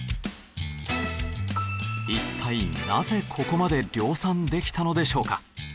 一体なぜここまで量産できたのでしょうか？